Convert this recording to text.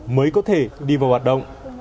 mới có thể đi vào hoạt động